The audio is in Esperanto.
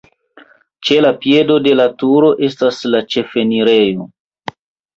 Ĉe la piedo de la turo estas la ĉefenirejo.